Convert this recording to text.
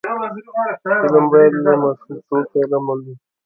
فلم باید له ماشومتوب سره مل وي